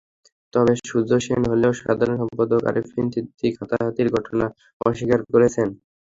তবে সূর্যসেন হলের সাধারণ সম্পাদক আরেফিন সিদ্দিক হাতাহাতির ঘটনা অস্বীকার করেছেন।